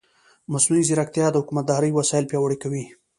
مصنوعي ځیرکتیا د حکومتدارۍ وسایل پیاوړي کوي.